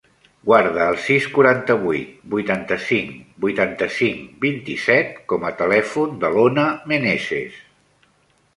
Guarda el sis, quaranta-vuit, vuitanta-cinc, vuitanta-cinc, vint-i-set com a telèfon de l'Ona Meneses.